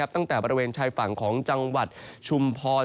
ตั้งแต่บริเวณชายฝั่งของจังหวัดชุมพร